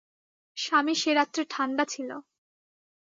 স্বামী সে রাত্রে ঠাণ্ডা ছিল।